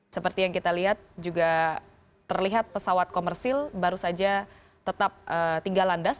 seperti yang kita lihat juga terlihat pesawat komersil baru saja tetap tinggal landas